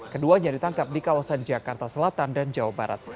keduanya ditangkap di kawasan jakarta selatan dan jawa barat